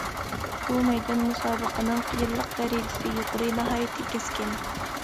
بۇ مەيدان مۇسابىقىنىڭ قىيىنلىق دەرىجىسى يۇقىرى، ناھايىتى كەسكىن.